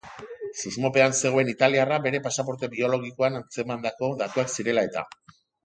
Susmopean zegoen italiarra bere pasaporte biologikoan antzemandako datuak zirela eta.